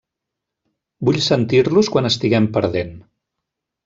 Vull sentir-los quan estiguem perdent.